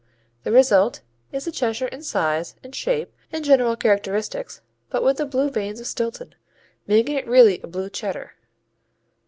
The result is the Cheshire in size and shape and general characteristics but with the blue veins of Stilton, making it really a Blue Cheddar.